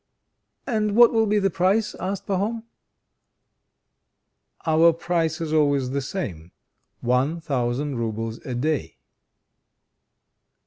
"And what will be the price?" asked Pahom. "Our price is always the same: one thousand roubles a day."